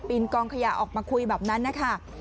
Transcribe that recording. นกองขยะออกมาคุยแบบนั้นนะคะ